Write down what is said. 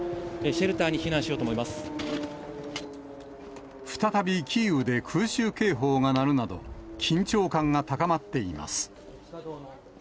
シェルターに避難しようと思いま再びキーウで、空襲警報が鳴るなど、緊張感が高まっています。